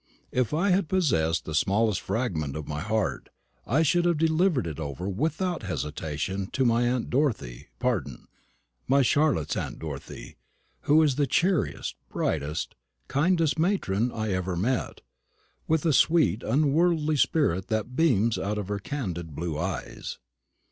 If I had possessed the smallest fragment of my heart, I should have delivered it over without hesitation to my aunt Dorothy pardon! my Charlotte's aunt Dorothy, who is the cheeriest, brightest, kindest matron I ever met, with a sweet unworldly spirit that beams out of her candid blue eyes.